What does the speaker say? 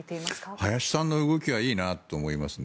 林さんの動きはいいなと思いますね。